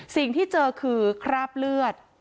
สิ่งที่เจอคือคราบเลือด